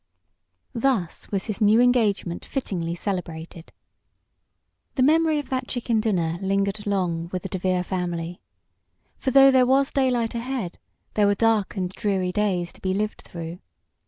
Thus was his new engagement fittingly celebrated. The memory of that chicken dinner lingered long with the DeVere family. For though there was daylight ahead there were dark and dreary days to be lived through.